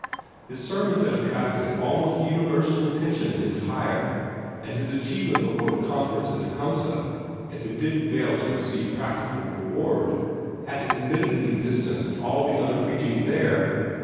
His sermons had attracted almost universal attention at Tyre, and his achievement before the Conference at Tecumseh, if it did fail to receive practical reward, had admittedly distanced all the other preaching there.